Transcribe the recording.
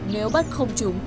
nếu bắt không chúng